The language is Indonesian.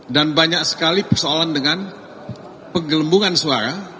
dan banyak sekali persoalan dengan penggelembungan suara